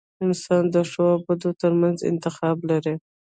• انسان د ښو او بدو ترمنځ انتخاب لري.